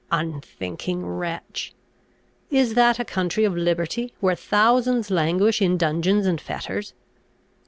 Unthinking wretch! Is that a country of liberty, where thousands languish in dungeons and fetters?